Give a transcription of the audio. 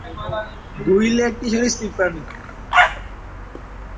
মুসলিম হওয়ার পর Abu Sufyan মুসলিম সাম্রাজ্যে গুরুত্বপূর্ণ ভূমিকা রেখেছেন।